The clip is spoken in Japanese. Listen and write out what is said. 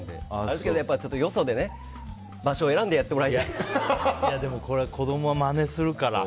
でもよそでは場所を選んでこれは子供はまねするから。